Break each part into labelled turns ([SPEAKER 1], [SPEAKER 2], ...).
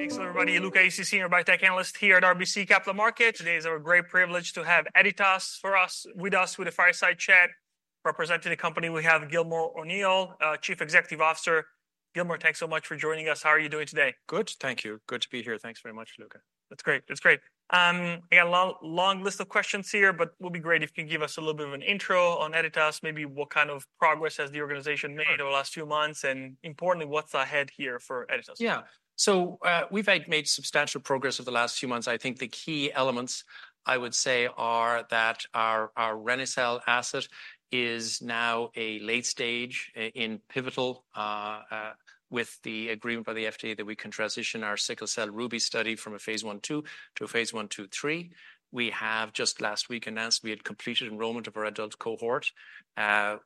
[SPEAKER 1] Thanks, everybody. Luca Issi, senior biotech analyst here at RBC Capital Markets. Today is a great privilege to have Editas for us, with us for the fireside chat. Representing the company, we have Gilmore O’Neill, Chief Executive Officer. Gilmore, thanks so much for joining us. How are you doing today?
[SPEAKER 2] Good, thank you. Good to be here. Thanks very much, Luca.
[SPEAKER 1] That's great. That's great. I got a long, long list of questions here, but it would be great if you could give us a little bit of an intro on Editas, maybe what kind of progress has the organization made?
[SPEAKER 2] Sure
[SPEAKER 1] over the last few months, and importantly, what's ahead here for Editas?
[SPEAKER 2] Yeah. So, we've made substantial progress over the last few months. I think the key elements, I would say, are that our, our reni-cel asset is now a late stage in pivotal, with the agreement by the FDA that we can transition our sickle cell RUBY study from a Phase 1/2 to a Phase 1/2/3. We have just last week announced we had completed enrollment of our adult cohort.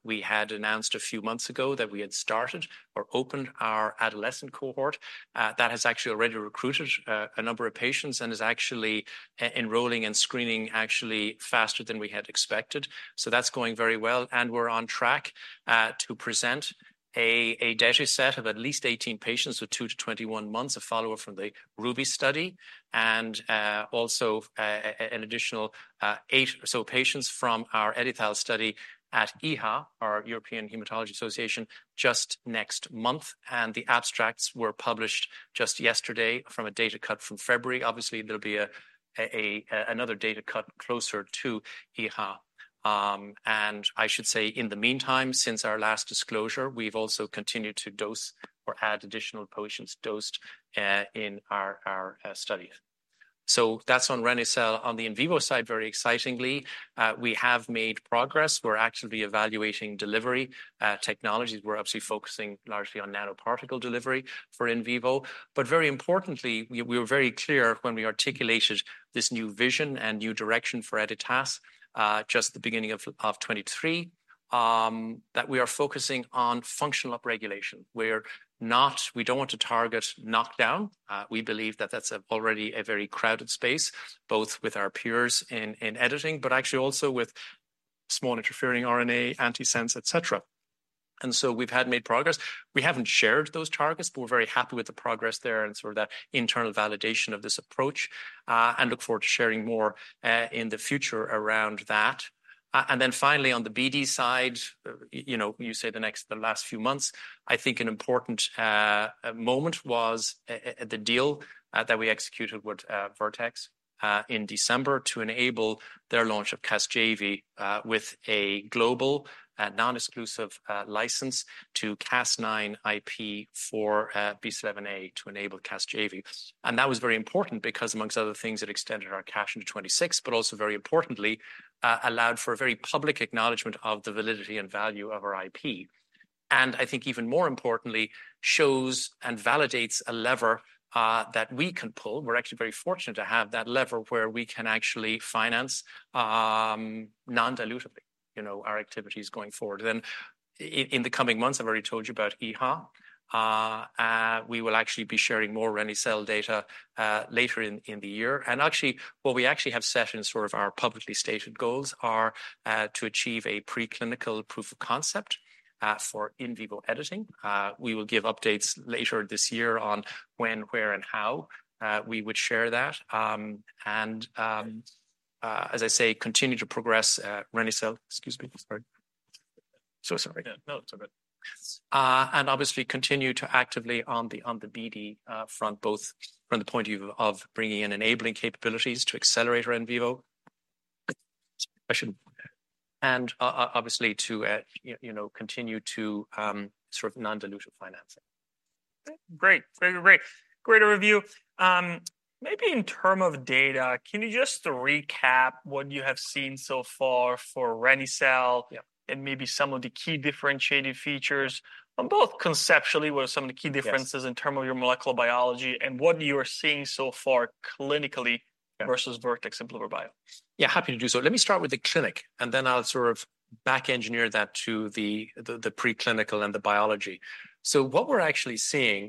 [SPEAKER 2] We had announced a few months ago that we had started or opened our adolescent cohort. That has actually already recruited a number of patients and is actually enrolling and screening actually faster than we had expected. So that's going very well, and we're on track to present a data set of at least 18 patients with 2 months-21 months of follow-up from the RUBY study, and also an additional 8 or so patients from our EdiTHAL study at EHA, our European Hematology Association, just next month. And the abstracts were published just yesterday from a data cut from February. Obviously, there'll be another data cut closer to EHA. And I should say, in the meantime, since our last disclosure, we've also continued to dose or had additional patients dosed in our study. So that's on reni-cel. On the in vivo side, very excitingly, we have made progress. We're actively evaluating delivery technologies. We're obviously focusing largely on nanoparticle delivery for in vivo. But very importantly, we were very clear when we articulated this new vision and new direction for Editas just the beginning of 2023, that we are focusing on functional upregulation. We're not. We don't want to target knockdown. We believe that that's already a very crowded space, both with our peers in editing, but actually also with small interfering RNA, antisense, et cetera. And so we've had made progress. We haven't shared those targets, but we're very happy with the progress there and sort of that internal validation of this approach, and look forward to sharing more in the future around that. And then finally, on the BD side, you know, in the last few months, I think an important moment was the deal that we executed with Vertex in December to enable their launch of Casgevy with a global non-exclusive license to Cas9 IP for BCL11A to enable Casgevy. And that was very important because, among other things, it extended our cash into 2026, but also, very importantly, allowed for a very public acknowledgment of the validity and value of our IP. And I think even more importantly, shows and validates a lever that we can pull. We're actually very fortunate to have that lever where we can actually finance non-dilutively, you know, our activities going forward. Then in the coming months, I've already told you about EHA. We will actually be sharing more reni-cel data later in the year. And actually, what we actually have set in sort of our publicly stated goals are to achieve a preclinical proof of concept for in vivo editing. We will give updates later this year on when, where, and how we would share that. As I say, continue to progress reni-cel— Excuse me. Sorry. So sorry.
[SPEAKER 1] Yeah. No, it's all right.
[SPEAKER 2] And obviously continue to actively on the BD front, both from the point of view of bringing in enabling capabilities to accelerate our in vivo. And obviously, to you know, continue to sort of non-dilutive financing.
[SPEAKER 1] Great. Great, great. Great overview. Maybe in terms of data, can you just recap what you have seen so far for reni-cel-
[SPEAKER 2] Yeah ...
[SPEAKER 1] and maybe some of the key differentiating features? On both conceptually, what are some of the key differences-
[SPEAKER 2] Yes
[SPEAKER 1] in terms of your molecular biology and what you are seeing so far clinically.
[SPEAKER 2] Yeah
[SPEAKER 1] -versus Vertex and bluebird bio?
[SPEAKER 2] Yeah, happy to do so. Let me start with the clinic, and then I'll sort of back engineer that to the preclinical and the biology. So what we're actually seeing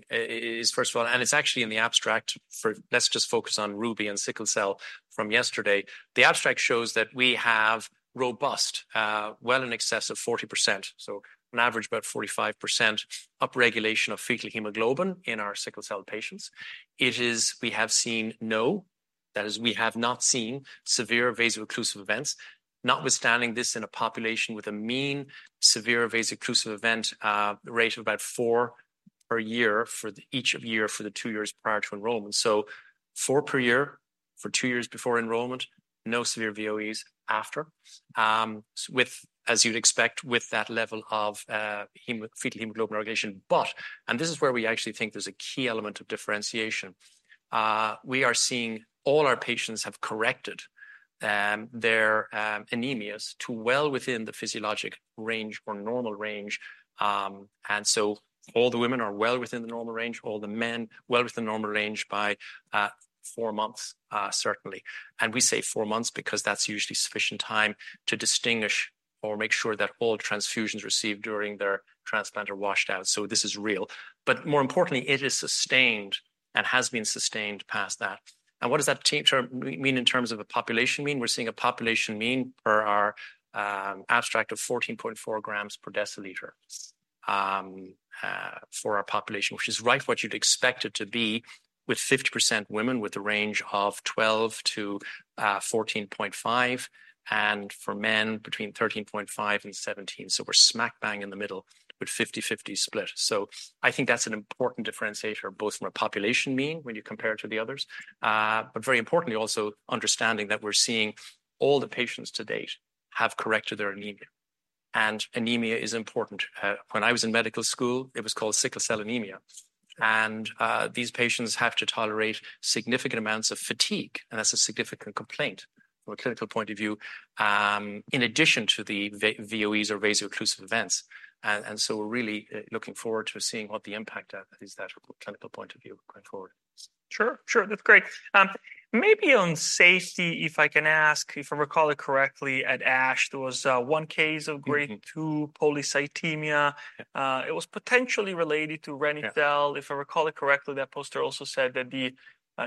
[SPEAKER 2] is, first of all, and it's actually in the abstract for—let's just focus on RUBY and sickle cell from yesterday. The abstract shows that we have robust, well in excess of 40%, so on average, about 45% upregulation of fetal hemoglobin in our sickle cell patients. It is—we have seen no, that is, we have not seen severe vaso-occlusive events, notwithstanding this in a population with a mean severe vaso-occlusive event rate of about 4 per year for each year for the 2 years prior to enrollment. So 4 per year for 2 years before enrollment, no severe VOEs after, with, as you'd expect, with that level of fetal hemoglobin regulation. But, and this is where we actually think there's a key element of differentiation, we are seeing all our patients have corrected their anemias to well within the physiologic range or normal range. And so all the women are well within the normal range, all the men well within the normal range by 4 months, certainly. And we say 4 months because that's usually sufficient time to distinguish or make sure that all transfusions received during their transplant are washed out, so this is real. But more importantly, it is sustained and has been sustained past that. And what does that mean in terms of a population mean? We're seeing a population mean for our abstract of 14.4 g/dL for our population, which is right what you'd expect it to be, with 50% women with a range of 12-14.5, and for men, between 13.5-17. So we're smack bang in the middle with 50/50 split. So I think that's an important differentiator, both from a population mean when you compare it to the others. But very importantly, also understanding that we're seeing all the patients to date have corrected their anemia, and anemia is important. When I was in medical school, it was called sickle cell anemia, and these patients have to tolerate significant amounts of fatigue, and that's a significant complaint from a clinical point of view, in addition to the VOEs or vaso-occlusive events. So we're really looking forward to seeing what the impact of is that clinical point of view going forward.
[SPEAKER 1] Sure, sure. That's great. Maybe on safety, if I can ask, if I recall it correctly, at ASH, there was one case of grade-
[SPEAKER 2] Mm-hmm...
[SPEAKER 1] two polycythemia. It was potentially related to reni-cel-
[SPEAKER 2] Yeah.
[SPEAKER 1] If I recall it correctly, that poster also said that the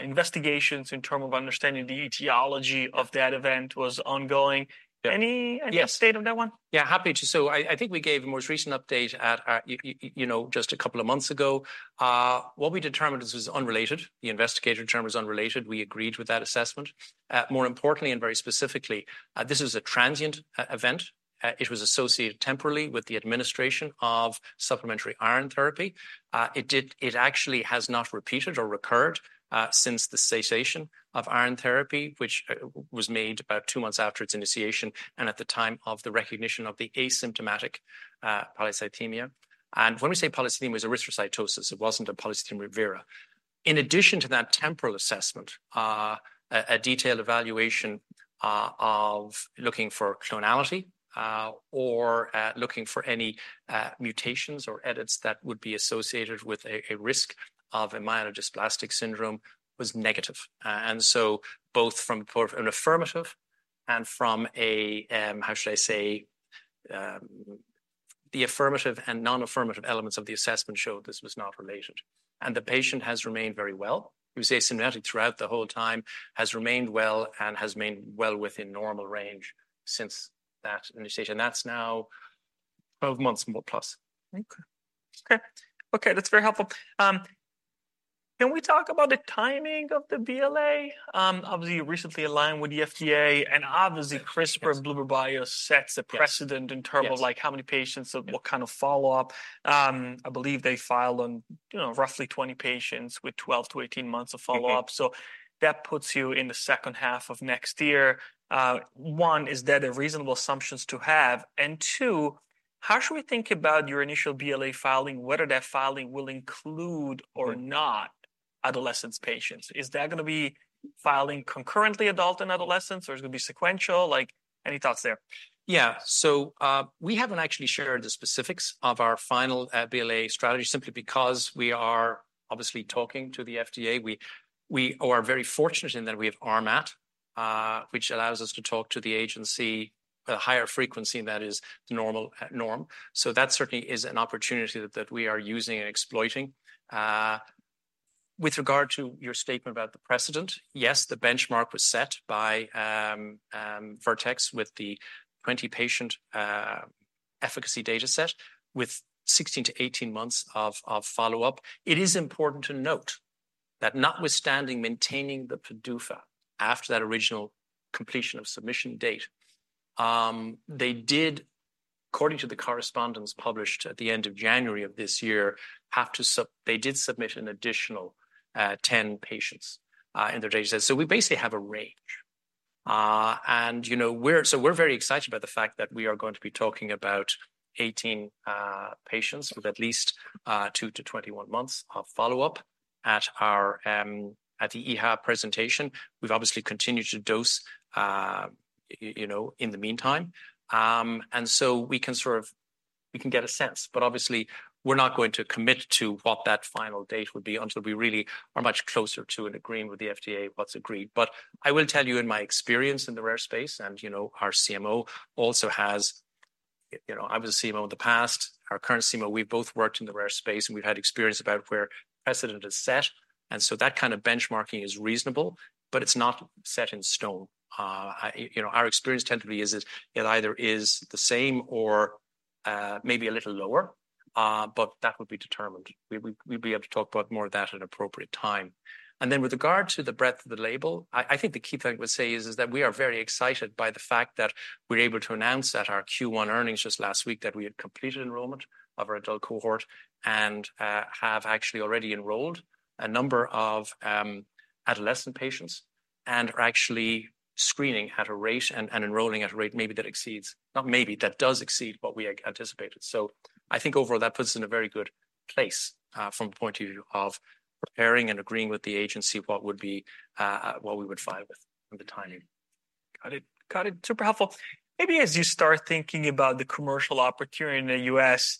[SPEAKER 1] investigations in terms of understanding the etiology-
[SPEAKER 2] Yeah...
[SPEAKER 1] of that event was ongoing.
[SPEAKER 2] Yeah.
[SPEAKER 1] Any-
[SPEAKER 2] Yes...
[SPEAKER 1] update of that one?
[SPEAKER 2] Yeah, happy to. So I, I think we gave the most recent update at, you know, just a couple of months ago. What we determined this was unrelated. The investigator determined it was unrelated. We agreed with that assessment. More importantly, and very specifically, this was a transient event. It was associated temporally with the administration of supplementary iron therapy. It actually has not repeated or recurred, since the cessation of iron therapy, which was made about 2 months after its initiation and at the time of the recognition of the asymptomatic, polycythemia. And when we say polycythemia, it was erythrocytosis. It wasn't a polycythemia vera. In addition to that temporal assessment, a detailed evaluation of looking for clonality, or looking for any mutations or edits that would be associated with a risk of a myelodysplastic syndrome was negative. And so both from an affirmative and from a, the affirmative and non-affirmative elements of the assessment showed this was not related, and the patient has remained very well. It was asymptomatic throughout the whole time, has remained well and has remained well within normal range since that initiation. That's now 12 months, more plus.
[SPEAKER 1] Okay. Okay. Okay, that's very helpful. Can we talk about the timing of the BLA? Obviously, you recently aligned with the FDA, and obviously-
[SPEAKER 2] Yes...
[SPEAKER 1] CRISPR bluebird bio sets-
[SPEAKER 2] Yes...
[SPEAKER 1] a precedent in terms of-
[SPEAKER 2] Yes...
[SPEAKER 1] like, how many patients-
[SPEAKER 2] Yeah...
[SPEAKER 1] of what kind of follow-up. I believe they filed on, you know, roughly 20 patients with 12-18 months of follow-up.
[SPEAKER 2] Mm-hmm.
[SPEAKER 1] So that puts you in the second half of next year. One, is that a reasonable assumption to have? And two, how should we think about your initial BLA filing, whether that filing will include or not-
[SPEAKER 2] Yeah...
[SPEAKER 1] adolescent patients? Is that gonna be filing concurrently, adult and adolescents, or is it gonna be sequential? Like, any thoughts there?
[SPEAKER 2] Yeah. So, we haven't actually shared the specifics of our final BLA strategy, simply because we are obviously talking to the FDA. We are very fortunate in that we have RMAT, which allows us to talk to the agency at a higher frequency than that is the normal norm. So that certainly is an opportunity that we are using and exploiting. With regard to your statement about the precedent, yes, the benchmark was set by Vertex with the 20-patient efficacy dataset with 16-18 months of follow-up. It is important to note that notwithstanding maintaining the PDUFA after that original completion of submission date, they did, according to the correspondence published at the end of January of this year, have to they did submit an additional 10 patients in their dataset. So we basically have a range. And, you know, so we're very excited about the fact that we are going to be talking about 18 patients with at least 2 months-21 months of follow-up at our at the EHA presentation. We've obviously continued to dose, you know, in the meantime. And so we can sort of get a sense, but obviously, we're not going to commit to what that final date would be until we really are much closer to and agreeing with the FDA what's agreed. But I will tell you, in my experience in the rare space, and, you know, our CMO also has. You know, I was a CMO in the past. Our current CMO, we've both worked in the rare space, and we've had experience about where precedent is set, and so that kind of benchmarking is reasonable, but it's not set in stone. You know, our experience tends to be is it, it either is the same or maybe a little lower, but that would be determined. We'll be able to talk about more of that at appropriate time. With regard to the breadth of the label, I think the key thing I would say is that we are very excited by the fact that we're able to announce at our Q1 earnings just last week that we had completed enrollment of our adult cohort and have actually already enrolled a number of adolescent patients, and are actually screening at a rate and enrolling at a rate maybe that exceeds, not maybe, that does exceed what we had anticipated. So I think overall, that puts us in a very good place from the point of view of preparing and agreeing with the agency what would be what we would file with and the timing.
[SPEAKER 1] Got it. Got it. Super helpful. Maybe as you start thinking about the commercial opportunity in the U.S.,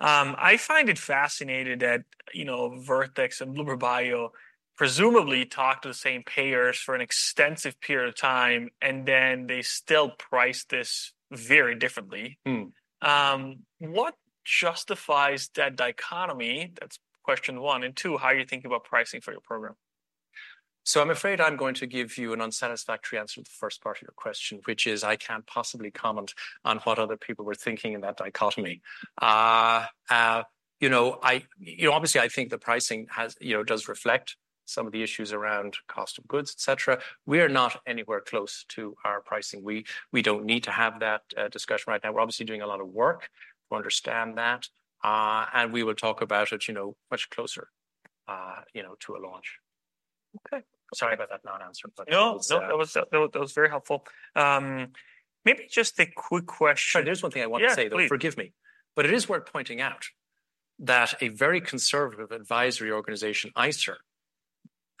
[SPEAKER 1] I find it fascinating that, you know, Vertex and bluebird bio presumably talked to the same payers for an extensive period of time, and then they still priced this very differently.
[SPEAKER 2] Hmm.
[SPEAKER 1] What justifies that dichotomy? That's question one. And two, how are you thinking about pricing for your program?...
[SPEAKER 2] So I'm afraid I'm going to give you an unsatisfactory answer to the first part of your question, which is I can't possibly comment on what other people were thinking in that dichotomy. You know, obviously, I think the pricing has, you know, does reflect some of the issues around cost of goods, et cetera. We are not anywhere close to our pricing. We don't need to have that discussion right now. We're obviously doing a lot of work to understand that, and we will talk about it, you know, much closer, you know, to a launch.
[SPEAKER 1] Okay.
[SPEAKER 2] Sorry about that non-answer, but-
[SPEAKER 1] No, no, that was, that was very helpful. Maybe just a quick question-
[SPEAKER 2] Sorry, there's one thing I want to say, though.
[SPEAKER 1] Yeah, please.
[SPEAKER 2] Forgive me, but it is worth pointing out that a very conservative advisory organization,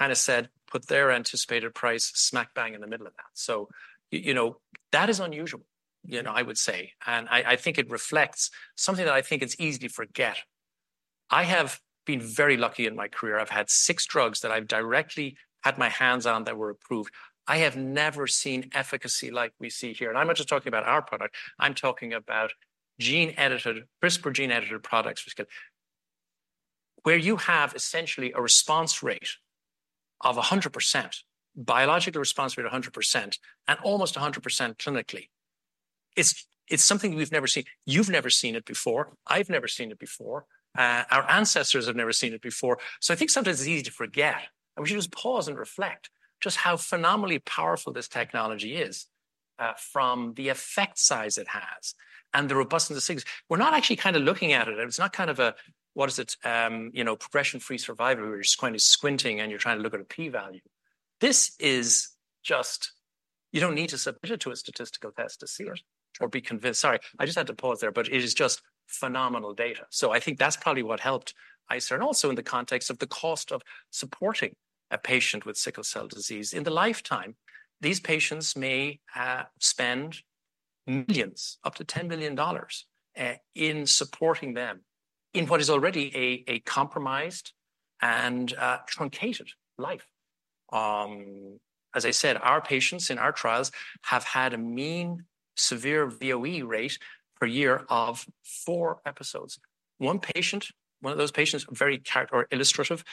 [SPEAKER 2] ICER, kind of said, put their anticipated price smack bang in the middle of that. So, you know, that is unusual, you know, I would say, and I, I think it reflects something that I think it's easy to forget. I have been very lucky in my career. I've had six drugs that I've directly had my hands on that were approved. I have never seen efficacy like we see here, and I'm not just talking about our product. I'm talking about gene-edited, CRISPR gene-edited products, where you have essentially a response rate of 100%, biological response rate of 100%, and almost 100% clinically. It's, it's something we've never seen. You've never seen it before. I've never seen it before. Our ancestors have never seen it before. So I think sometimes it's easy to forget, and we should just pause and reflect just how phenomenally powerful this technology is, from the effect size it has and the robustness of things. We're not actually kind of looking at it. It's not kind of a, what is it? You know, progression-free survival, where you're kind of squinting and you're trying to look at a p-value. This is just... You don't need to submit it to a statistical test to see it-
[SPEAKER 1] Sure...
[SPEAKER 2] or be convinced. Sorry, I just had to pause there, but it is just phenomenal data. So I think that's probably what helped ICER, and also in the context of the cost of supporting a patient with sickle cell disease. In the lifetime, these patients may spend millions, up to $10,000,000, in supporting them in what is already a compromised and truncated life. As I said, our patients in our trials have had a mean severe VOE rate per year of four episodes. One patient, one of those patients, very characteristic or illustrative,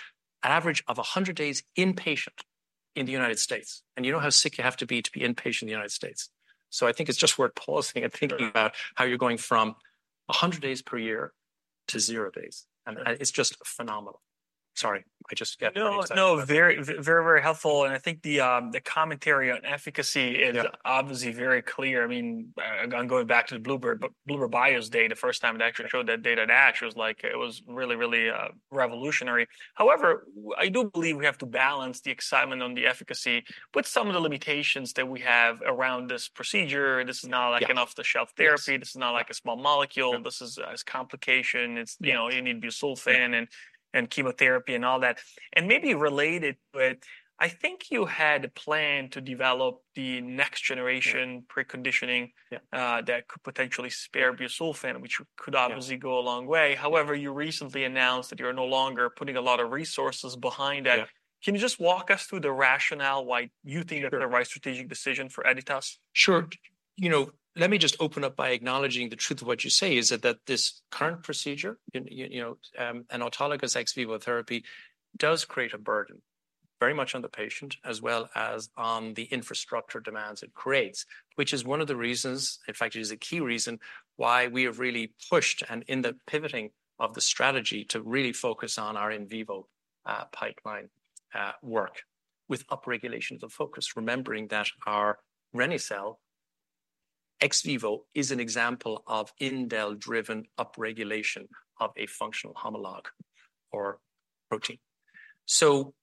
[SPEAKER 2] an average of 100 days inpatient in the United States, and you know how sick you have to be to be inpatient in the United States. So I think it's just worth pausing and thinking about-
[SPEAKER 1] Sure...
[SPEAKER 2] how you're going from 100 days per year to zero days, and, and it's just phenomenal. Sorry, I just get-
[SPEAKER 1] No, no, very, very helpful, and I think the, the commentary on efficacy is-
[SPEAKER 2] Yeah...
[SPEAKER 1] obviously very clear. I mean, I'm going back to the bluebird bio, but bluebird bio's day, the first time it actually showed that data at ASH was like it was really, really, revolutionary. However, I do believe we have to balance the excitement on the efficacy with some of the limitations that we have around this procedure. This is not like-
[SPEAKER 2] Yes...
[SPEAKER 1] an off-the-shelf therapy.
[SPEAKER 2] Yes.
[SPEAKER 1] This is not like a small molecule.
[SPEAKER 2] Yeah.
[SPEAKER 1] This is, it's complication. It's-
[SPEAKER 2] Yes...
[SPEAKER 1] you know, you need busulfan-
[SPEAKER 2] Yeah...
[SPEAKER 1] and chemotherapy and all that. And maybe related, but I think you had a plan to develop the next generation-
[SPEAKER 2] Yeah...
[SPEAKER 1] preconditioning-
[SPEAKER 2] Yeah...
[SPEAKER 1] that could potentially spare busulfan, which could-
[SPEAKER 2] Yeah...
[SPEAKER 1] obviously go a long way. However, you recently announced that you're no longer putting a lot of resources behind that.
[SPEAKER 2] Yeah.
[SPEAKER 1] Can you just walk us through the rationale why you think-
[SPEAKER 2] Sure...
[SPEAKER 1] that's the right strategic decision for Editas?
[SPEAKER 2] Sure. You know, let me just open up by acknowledging the truth of what you say is that, that this current procedure, you know, an autologous ex vivo therapy, does create a burden, very much on the patient, as well as on the infrastructure demands it creates, which is one of the reasons, in fact, it is a key reason, why we have really pushed and in the pivoting of the strategy to really focus on our in vivo pipeline work, with upregulation of the focus, remembering that our reni-cel ex vivo is an example of indel-driven upregulation of a functional homologue or protein. So,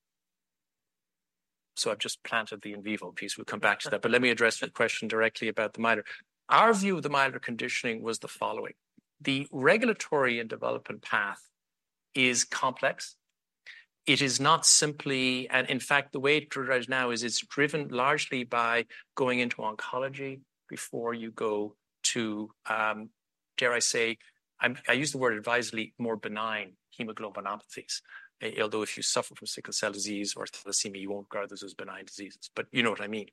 [SPEAKER 2] I've just planted the in vivo piece. We'll come back to that, but let me address the question directly about the milder. Our view of the milder conditioning was the following: The regulatory and development path is complex. It is not simply. And in fact, the way it progress now is it's driven largely by going into oncology before you go to, dare I say, I use the word advisedly, more benign hemoglobinopathies. Although if you suffer from sickle cell disease or thalassemia, you won't regard this as benign diseases, but you know what I mean.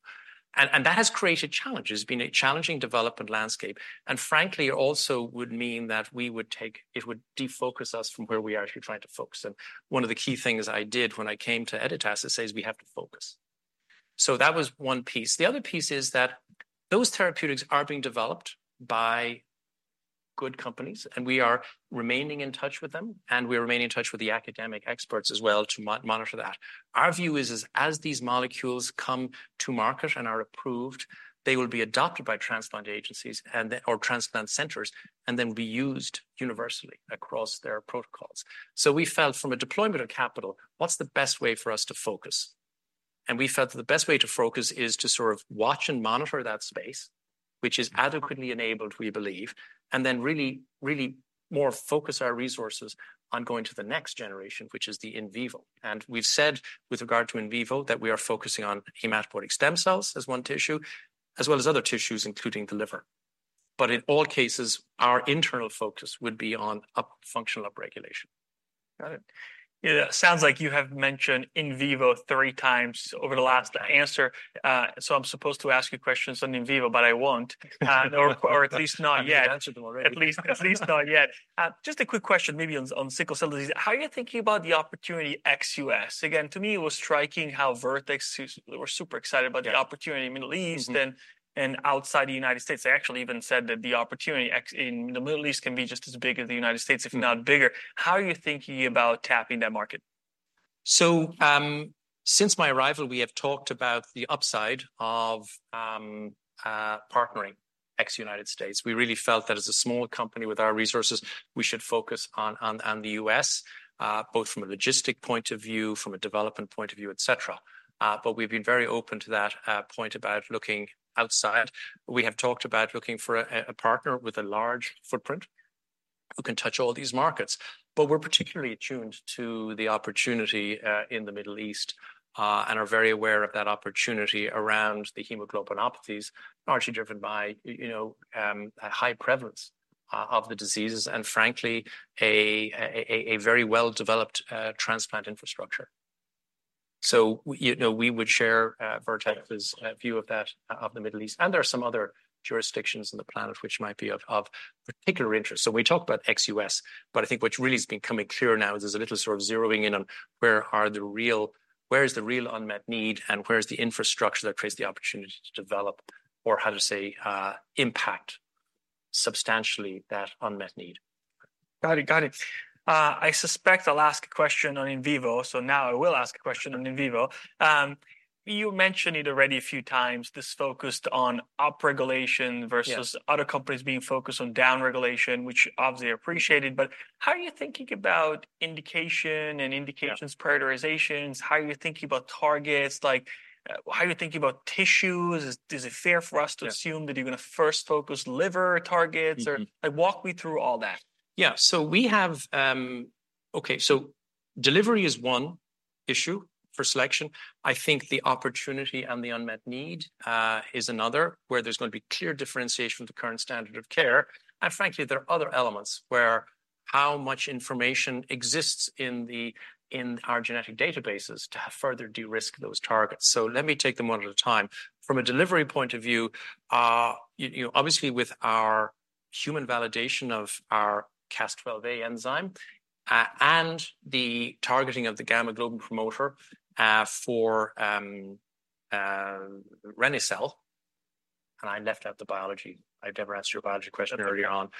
[SPEAKER 2] And that has created challenges. It's been a challenging development landscape, and frankly, it also would mean that we would take—it would defocus us from where we are actually trying to focus. And one of the key things I did when I came to Editas is says we have to focus. So that was one piece. The other piece is that those therapeutics are being developed by good companies, and we are remaining in touch with them, and we remain in touch with the academic experts as well to monitor that. Our view is, as these molecules come to market and are approved, they will be adopted by transplant agencies and then, or transplant centers, and then be used universally across their protocols. So we felt from a deployment of capital, what's the best way for us to focus? And we felt that the best way to focus is to sort of watch and monitor that space, which is adequately enabled, we believe, and then really, really more focus our resources on going to the next generation, which is the in vivo. We've said with regard to in vivo that we are focusing on hematopoietic stem cells as one tissue, as well as other tissues, including the liver. In all cases, our internal focus would be on functional upregulation....
[SPEAKER 1] Got it. Yeah, sounds like you have mentioned in vivo three times over the last answer. So I'm supposed to ask you questions on in vivo, but I won't. Or at least not yet.
[SPEAKER 2] You answered them already.
[SPEAKER 1] At least, at least not yet. Just a quick question, maybe on sickle cell disease. How are you thinking about the opportunity ex US? Again, to me, it was striking how Vertex was super excited-
[SPEAKER 2] Yeah
[SPEAKER 1] -about the opportunity in Middle East-
[SPEAKER 2] Mm-hmm
[SPEAKER 1] and outside the United States. They actually even said that the opportunity in the Middle East can be just as big as the United States-
[SPEAKER 2] Mm
[SPEAKER 1] if not bigger. How are you thinking about tapping that market?
[SPEAKER 2] So, since my arrival, we have talked about the upside of partnering outside the United States. We really felt that as a small company with our resources, we should focus on the US, both from a logistic point of view, from a development point of view, et cetera. But we've been very open to that point about looking outside. We have talked about looking for a partner with a large footprint who can touch all these markets, but we're particularly attuned to the opportunity in the Middle East, and are very aware of that opportunity around the hemoglobinopathies, largely driven by, you know, a high prevalence of the diseases, and frankly, a very well-developed transplant infrastructure. So, you know, we would share Vertex's-
[SPEAKER 1] Yeah
[SPEAKER 2] view of that, of the Middle East. And there are some other jurisdictions on the planet which might be of particular interest. So we talk about ex US, but I think what really has been becoming clear now is there's a little sort of zeroing in on where is the real unmet need, and where is the infrastructure that creates the opportunity to develop, or how to say, impact substantially that unmet need?
[SPEAKER 1] Got it. Got it. I suspect I'll ask a question on in vivo, so now I will ask a question on in vivo. You mentioned it already a few times, this focused on upregulation versus-
[SPEAKER 2] Yeah
[SPEAKER 1] Other companies being focused on downregulation, which obviously I appreciated. But how are you thinking about indication and indications?
[SPEAKER 2] Yeah
[SPEAKER 1] -prioritizations? How are you thinking about targets? Like, how are you thinking about tissues? Is it fair for us to assume-
[SPEAKER 2] Yeah
[SPEAKER 1] that you're gonna first focus liver targets, or -
[SPEAKER 2] Mm-hmm.
[SPEAKER 1] Like, walk me through all that.
[SPEAKER 2] Yeah. So we have, Okay, so delivery is one issue for selection. I think the opportunity and the unmet need is another, where there's going to be clear differentiation from the current standard of care. And frankly, there are other elements where how much information exists in the, in our genetic databases to further de-risk those targets. So let me take them one at a time. From a delivery point of view, you know, obviously, with our human validation of our Cas12a enzyme, and the targeting of the gamma-globin promoter, for reni-cel, and I left out the biology. I never asked you a biology question earlier on.
[SPEAKER 1] Sure.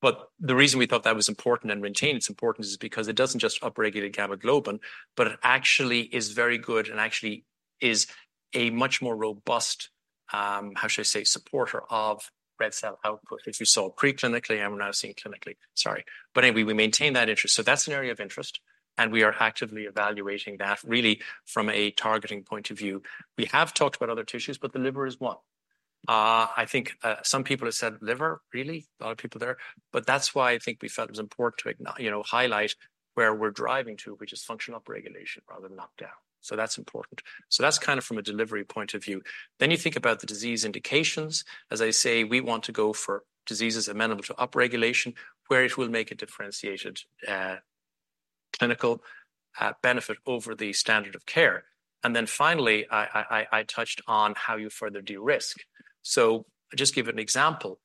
[SPEAKER 2] But the reason we thought that was important and maintain its importance is because it doesn't just upregulate gamma-globin, but it actually is very good and actually is a much more robust, how should I say, supporter of red cell output, which we saw preclinically, and we're now seeing clinically. Sorry. But anyway, we maintain that interest. So that's an area of interest, and we are actively evaluating that, really from a targeting point of view. We have talked about other tissues, but the liver is one. I think, some people have said, "Liver, really?" A lot of people there. But that's why I think we felt it was important to acknowledge, you know, highlight where we're driving to, which is functional upregulation rather than knockdown. So that's important. So that's kind of from a delivery point of view. Then you think about the disease indications. As I say, we want to go for diseases amenable to upregulation, where it will make a differentiated clinical benefit over the standard of care. And then finally, I touched on how you further de-risk. So I'll just give an example.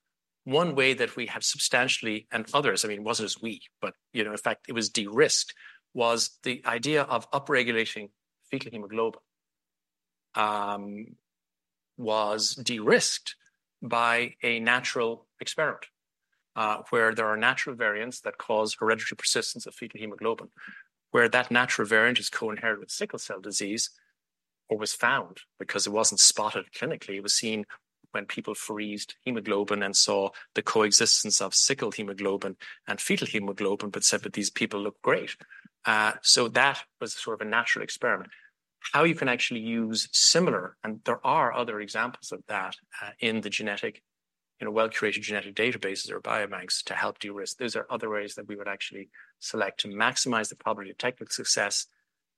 [SPEAKER 2] One way that we have substantially, and others, I mean, it wasn't just we, but you know, in fact, it was de-risked, was the idea of upregulating fetal hemoglobin, was de-risked by a natural experiment, where there are natural variants that cause hereditary persistence of fetal hemoglobin, where that natural variant is co-inherited with sickle cell disease or was found because it wasn't spotted clinically. It was seen when people froze hemoglobin and saw the coexistence of sickle hemoglobin and fetal hemoglobin, but said that these people look great. So that was sort of a natural experiment. How you can actually use similar, and there are other examples of that, in the genetic, in well-curated genetic databases or biobanks to help de-risk. Those are other ways that we would actually select to maximize the probability of technical success,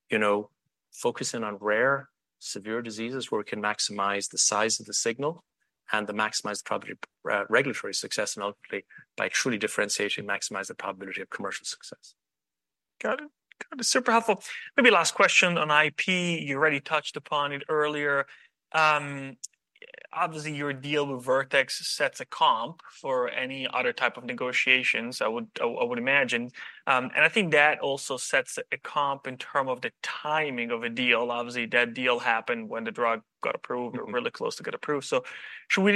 [SPEAKER 2] you know, focusing on rare, severe diseases where we can maximize the size of the signal and to maximize the probability of, regulatory success, and ultimately, by truly differentiating, maximize the probability of commercial success.
[SPEAKER 1] Got it. Got it. Super helpful. Maybe last question on IP. You already touched upon it earlier. Obviously, your deal with Vertex sets a comp for any other type of negotiations, I would imagine. And I think that also sets a comp in term of the timing of a deal. Obviously, that deal happened when the drug got approved.
[SPEAKER 2] Mm-hmm
[SPEAKER 1] -or really close to get approved. So should we...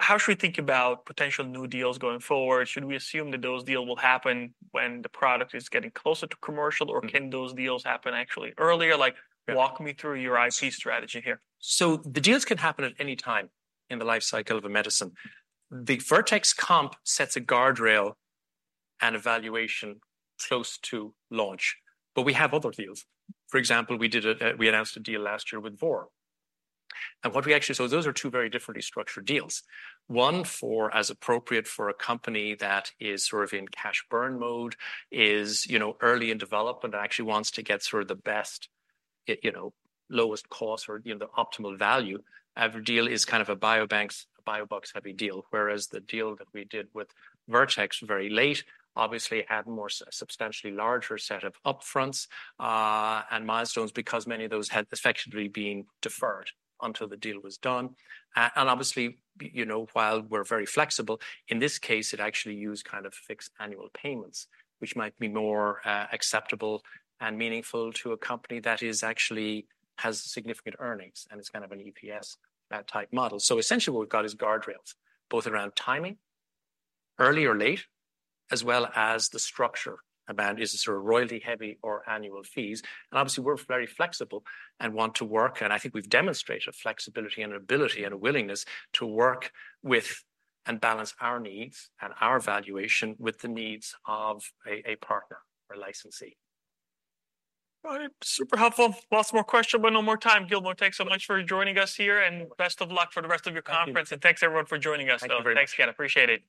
[SPEAKER 1] How should we think about potential new deals going forward? Should we assume that those deals will happen when the product is getting closer to commercial-
[SPEAKER 2] Mm
[SPEAKER 1] or can those deals happen actually earlier? Like-
[SPEAKER 2] Yeah
[SPEAKER 1] Walk me through your IP strategy here.
[SPEAKER 2] So the deals can happen at any time in the life cycle of a medicine. The Vertex comp sets a guardrail and a valuation close to launch, but we have other deals. For example, we did a, we announced a deal last year with Vor. And what we actually. So those are two very differently structured deals. One, for, as appropriate for a company that is sort of in cash burn mode, is, you know, early in development and actually wants to get sort of the best, you know, the optimal value. Every deal is kind of a biobucks, a biobucks-heavy deal, whereas the deal that we did with Vertex very late, obviously had more substantially larger set of upfronts, and milestones because many of those had effectively been deferred until the deal was done. And obviously, you know, while we're very flexible, in this case, it actually used kind of fixed annual payments, which might be more acceptable and meaningful to a company that actually has significant earnings, and it's kind of an EPS type model. So essentially, what we've got is guardrails, both around timing, early or late, as well as the structure about is it sort of royalty-heavy or annual fees. And obviously, we're very flexible and want to work, and I think we've demonstrated flexibility and ability and a willingness to work with and balance our needs and our valuation with the needs of a partner or licensee.
[SPEAKER 1] All right. Super helpful. Lots more questions, but no more time. Gilmore, thanks so much for joining us here, and best of luck for the rest of your conference.
[SPEAKER 2] Thank you.
[SPEAKER 1] Thanks, everyone, for joining us.
[SPEAKER 2] Thank you very much.
[SPEAKER 1] Thanks again. Appreciate it.